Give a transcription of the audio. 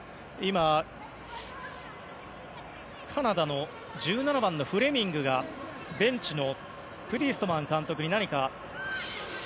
カナダの１７番のフレミングがベンチのプリーストマン監督に何か。